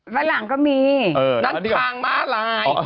ฝรั่งก็มีนัดทางมาลาย